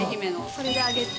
それで揚げて。